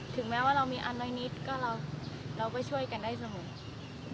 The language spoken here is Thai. แม้ว่าเรามีอันน้อยนิดก็เราก็ช่วยกันได้สงบ